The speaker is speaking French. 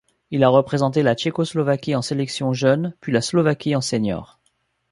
Il a représenté la Tchécoslovaquie en sélection jeune puis la Slovaquie en senior.